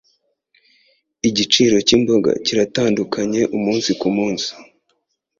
Igiciro cyimboga kiratandukanye umunsi kumunsi.